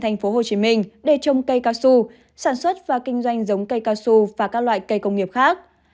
tp hcm để trông cây cao su sản xuất và kinh doanh giống cây cao su và các loại cây công nghiệp khác